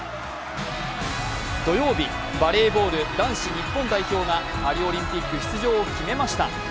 土曜日、バレーボール男子日本代表がパリオリンピック出場を決めました。